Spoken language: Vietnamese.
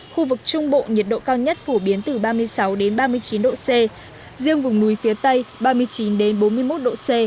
khu vực trung bộ nhiệt độ cao nhất phổ biến từ ba mươi sáu ba mươi chín độ c riêng vùng núi phía tây ba mươi chín bốn mươi một độ c